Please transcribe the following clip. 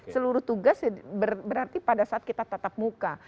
seluruh tugas berarti pada saat kita tatap muka